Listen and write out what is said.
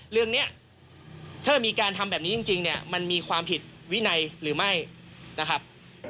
เรื่องนี้ถ้ามีการทำแบบนี้จริงเนี่ยมันมีความผิดวินัยหรือไม่นะครับ